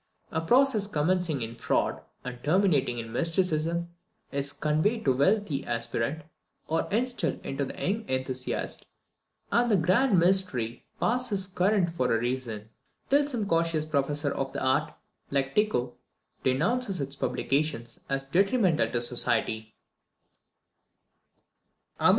A process commencing in fraud and terminating in mysticism is conveyed to the wealthy aspirant, or instilled into the young enthusiast, and the grand mystery passes current for a season, till some cautious professor of the art, like Tycho, denounces its publication as detrimental to society.